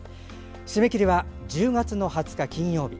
締め切りは、１０月２０日金曜日。